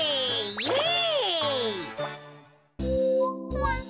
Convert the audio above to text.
イエイ！